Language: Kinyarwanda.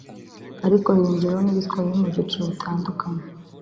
ariko hiyongeraho n’Igiswahili mu byiciro bitandukanye